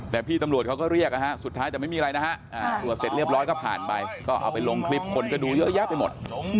แต่พี่ตำรวจเขาก็เรียกสุดท้ายแต่ไม่มีอะไรนะฮะตรวจเสร็จเรียบร้อยก็ผ่านไปก็เอาไปลงคลิปคนก็ดูเยอะแยะไปหมด